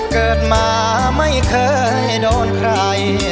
เกิดมาไม่เคยโดนใคร